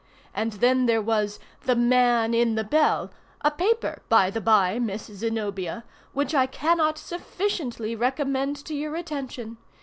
And then there was 'The Man in the Bell,' a paper by the by, Miss Zenobia, which I cannot sufficiently recommend to your attention.